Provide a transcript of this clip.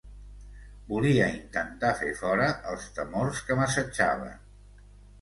Volia intentar fer fora els temors que m’assetjaven.